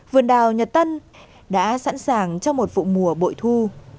vườn đào nhật tân đã sẵn sàng cho một vụ mùa bội thu